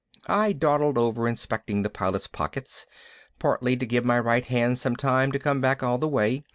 I dawdled over inspecting the Pilot's pockets, partly to give my right hand time to come back all the way.